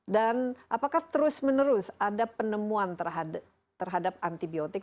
dan apakah terus menerus ada penemuan terhadap antibiotik